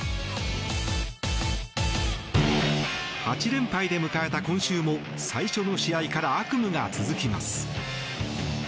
８連敗で迎えた今週も最初の試合から悪夢が続きます。